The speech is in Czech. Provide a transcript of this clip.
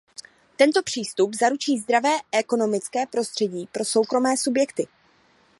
Tento přístup zaručí zdravé ekonomické prostředí pro soukromé subjekty.